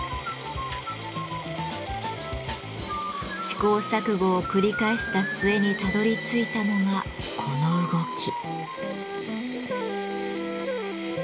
試行錯誤を繰り返した末にたどりついたのがこの動き。